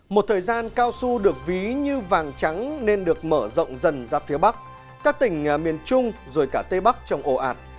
một thời gian cao su được ví như vàng trắng nên được mở rộng dần ra phía bắc các tỉnh miền trung rồi cả tây bắc trồng ổ ạt